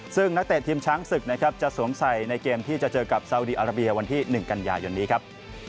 ซึ่งนักเตะทีมช้างศึกนะครับจะสวมใส่ในเกมที่จะเจอกับซาวดีอาราเบียวันที่๑กันยายนนี้ครับ